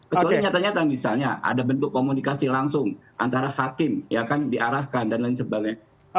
kecuali nyata nyata misalnya ada bentuk komunikasi langsung antara hakim ya kan diarahkan dan lain sebagainya